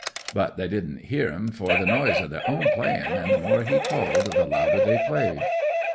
But they didn't hear'n for the noise of their own playing, and the more he called the louder they played.